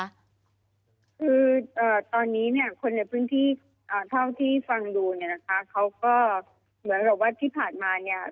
คือตอนนี้เนี่ยคนในพื้นที่เท่าที่ฟังดูเนี่ยนะคะเขาก็เหมือนกับว่าที่ผ่านมาเนี่ย